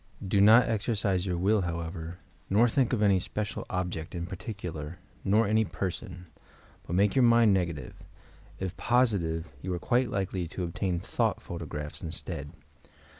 Do not exercise your will, however, nor think of any special object in f THOUGHT PHOTOGRAPHT 337 particular, nor any person, but make your minds nega tive. If positive, you are quite likely to obtain thought photographs instead.